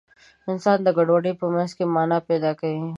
انسان د ګډوډۍ په منځ کې مانا پیدا کوي.